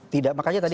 tidak makanya tadi